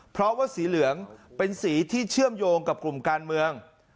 เพราะว่าสีเหลืองเป็นสีที่เชื่อมโยงกับกลุ่มการเมือง